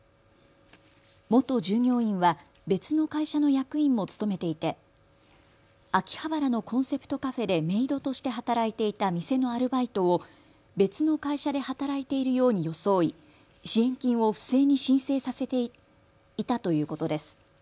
元従業員は別の会社の役員も務めていて秋葉原のコンセプトカフェでメイドとして働いていた店のアルバイトを別の会社で働いているように装い支援金を不正に申請させていたということです。